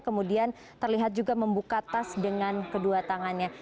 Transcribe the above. kemudian terlihat juga membuka tas dengan kedua tangannya